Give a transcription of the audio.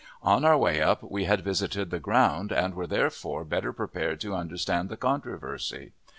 On our way up we had visited the ground, and were therefore better prepared to understand the controversy.